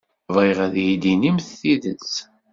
Bɣiɣ ad iyi-d-inimt tidet.